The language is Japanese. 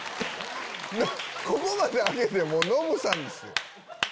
ここまで上げてもうノブさんですよ。